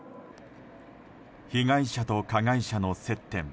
被害者と加害者の接点。